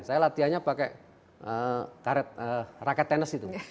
saya latihannya pakai raket tenis itu